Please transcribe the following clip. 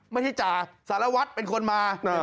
ไม่ได้จ่าสารวัฒน์เป็นคนมา